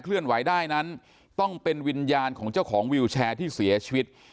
เลื่อนไหวได้นั้นต้องเป็นวิญญาณของเจ้าของวิวแชร์ที่เสียชีวิต